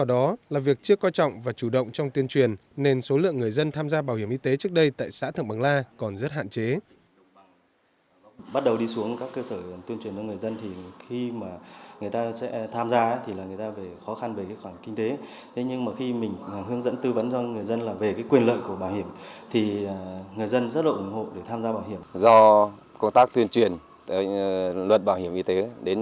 do công tác tuyên truyền luật bảo hiểm y tế